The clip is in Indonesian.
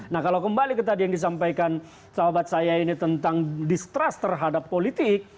nah kalau kembali ke tadi yang disampaikan sahabat saya ini tentang distrust terhadap politik